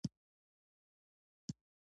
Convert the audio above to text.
ما د همدغه قدرت په اډانه کې ډېر کسان لیدلي دي